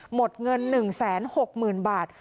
หมดเงิน๑๖๐๐๐บาท